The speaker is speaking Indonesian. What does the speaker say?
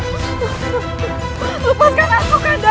lepaskan aku kanda